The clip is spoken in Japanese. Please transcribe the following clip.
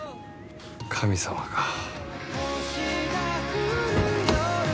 神様か。